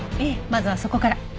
まずはそこから。